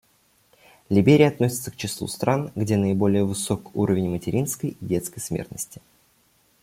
Либерия относится к числу стран, где наиболее высок уровень материнской и детской смертности.